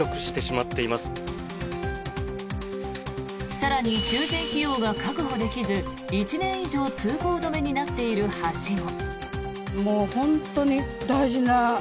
更に、修繕費用が確保できず１年以上通行止めになっている橋も。